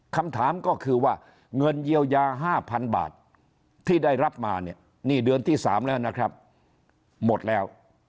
คำถามก็คือว่าเงินเยียวยา๕๐๐๐บาทที่ได้รับมาเนี่ยนี่เดือนที่๓แล้วนะครับหมดแล้ว